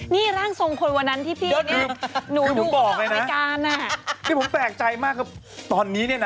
นี่ร่างทรงคนวันนั้นที่พี่